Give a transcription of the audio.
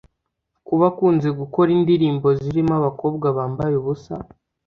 Kuba akunze gukora indirimbo zirimo abakobwa bambaye ubusa